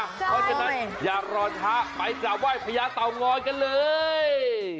เพราะฉะนั้นอย่ารอช้าไปกราบไหว้พญาเต่างอยกันเลย